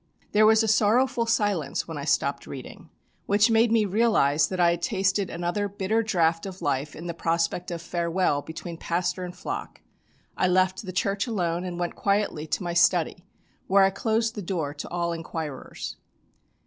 There was a sorrowful silence when I stopped reading, which made me realise that I had tasted another bitter draft of life in the prospect of farewell between pastor and flock. I left the church alone and went quietly to my study where I closed the door to all inquirers.